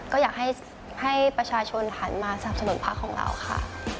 ก็อยากให้ประชาชนหันมาสนับสนุนพักของเราค่ะ